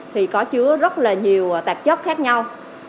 thì có chứa rất là nhiều tạp chất khác nhau